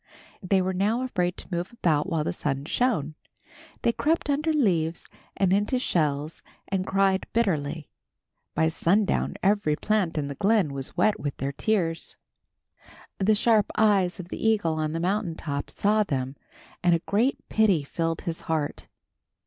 They were now afraid to move about while the sun shone. They crept under leaves and into shells and cried bitterly. By sundown every plant in the glen was wet with their tears. The sharp eyes of the eagle on the mountain top saw them and a great pity filled his heart.